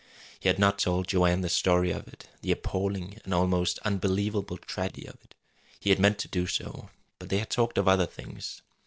He had not told Joanne the story of it, the appalling and almost unbelievable tragedy of it. He had meant to do so. But they had talked of other things.